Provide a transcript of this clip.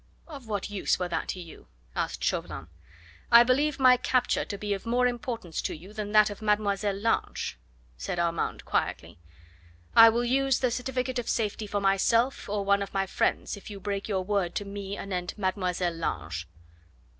"Of what use were that to you?" asked Chauvelin. "I believe my capture to be of more importance to you than that of Mademoiselle Lange," said Armand quietly. "I will use the certificate of safety for myself or one of my friends if you break your word to me anent Mademoiselle Lange."